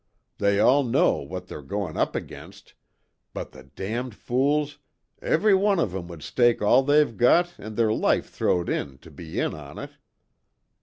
They all know what they're going up against but the damned fools! Every one of 'em would stake all they've got, an' their life throw'd in, to be in on it."